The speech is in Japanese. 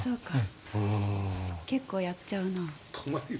結構やっちゃうな。